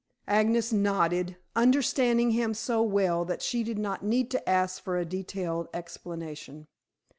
Agnes nodded, understanding him so well that she did not need to ask for a detailed explanation.